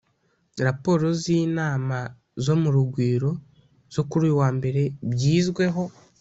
raporo z'inama zo mu rugwiro zo kuri uyu wa mbere byizweho